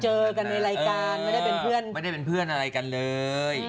เจอกันในรายการไม่เหมือนเพื่อนอะไรกันเลย